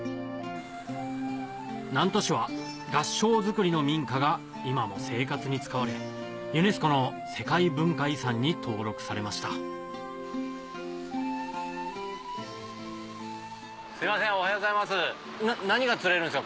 南砺市は合掌造りの民家が今も生活に使われユネスコの世界文化遺産に登録されましたおはようございます何が釣れるんですか？